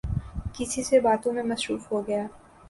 کسی سے باتوں میں مصروف ہوگیا